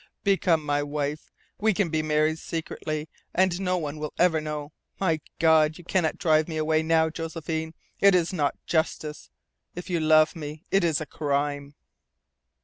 Become my wife. We can be married secretly, and no one will ever know. My God, you cannot drive me away now, Josephine! It is not justice. If you love me it is a crime!"